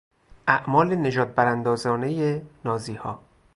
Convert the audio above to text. اعمال نژاد براندازانهی نازیها